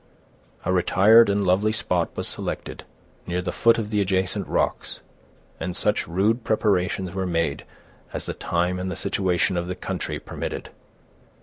A retired and lovely spot was selected, near the foot of the adjacent rocks, and such rude preparations were made as the time and the situation of the country permitted.